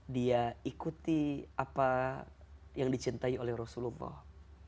dia ikuti apa yang dicintai oleh rasulullah